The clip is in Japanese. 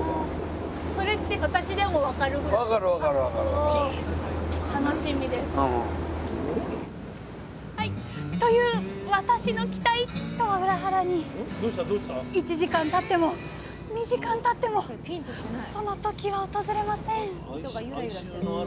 さあケンケン漁のスタートですという私の期待とは裏腹に１時間たっても２時間たってもその時は訪れません。